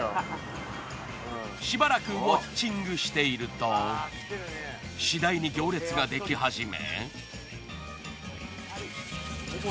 しばらくウォッチングしていると次第に行列ができ始め。